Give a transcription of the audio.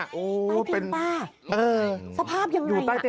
ใต้เปลี่ยงป้าสภาพยังไงอ่ะ